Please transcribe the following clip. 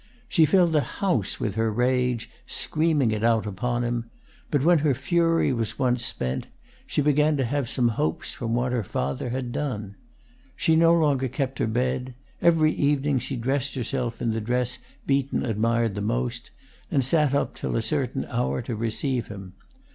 She filled the house with her rage, screaming it out upon him; but when her fury was once spent, she began to have some hopes from what her father had done. She no longer kept her bed; every evening she dressed herself in the dress Beaton admired the most, and sat up till a certain hour to receive him.